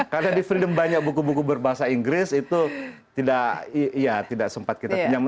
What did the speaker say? karena di freedom banyak buku buku berbahasa inggris itu tidak ya tidak sempat kita pinjam